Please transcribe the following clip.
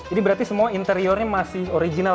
ini berarti semua interiornya masih original